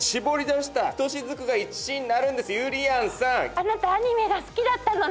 あなたアニメが好きだったのね。